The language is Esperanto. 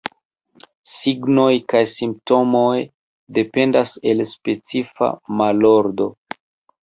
Signoj kaj simptomoj dependas el specifa malordo.